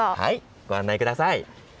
ご案内ください。